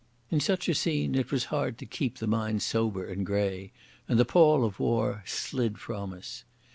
In such a scene it was hard to keep the mind sober and grey, and the pall of war slid from us.